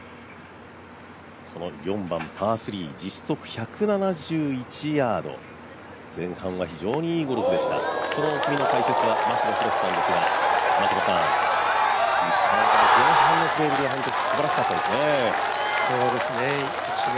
この４番、パー３、実測１７１ヤード、前半は非常にいいプレーでしたこの組の解説は牧野裕さんですが、牧野さん、石川遼前半のホール、すばらしかったですね。